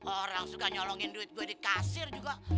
orang suka nyolongin duit gue di kasir juga